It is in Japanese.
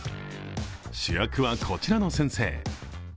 主役は、こちらの先生。